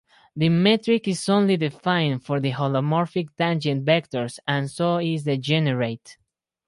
The metric is only defined for the holomorphic tangent vectors and so is degenerate.